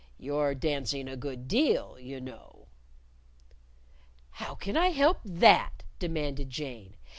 You're dancing a good deal, you know." "How can I help that?" demanded Jane.